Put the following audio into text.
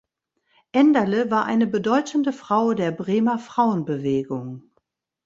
Enderle war eine bedeutende Frau der Bremer Frauenbewegung.